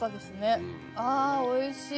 あおいしい。